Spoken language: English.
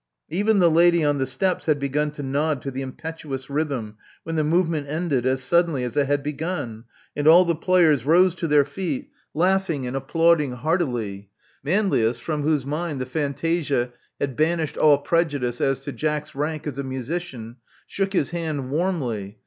Even the lady on the steps had begun to nod to the impetuous rhythm, when the movement ended as suddenly as it had begun; and all the players rose to their feet, laughing and Love Among the Artists 179 applauding heartily. Manlius, from whose mind the fantasia had banished all prejudice as to Jack's rank as a musician, shook his hand warmly.